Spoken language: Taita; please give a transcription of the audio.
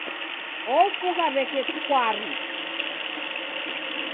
Ofugha w'eke pwaru.